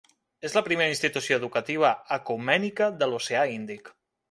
És la primera institució educativa ecumènica de l'Oceà Índic.